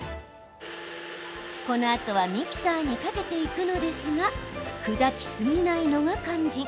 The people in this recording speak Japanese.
このあとはミキサーにかけていくのですが砕きすぎないのが肝心。